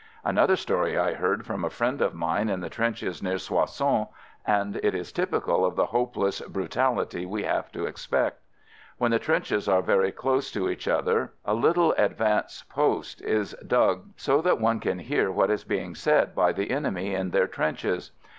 Another story I heard from a friend of mine in the trenches near Soissons, and it is typical of the hopeless brutality we have to expect. When the trenches are very close to each other, a little advance post is dug so FIELD SERVICE 133 that one can hear what is being said by the enemy in their trenches.